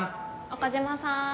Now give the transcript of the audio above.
岡島さん。